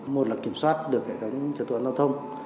một là kiểm soát được hệ thống trần tuần giao thông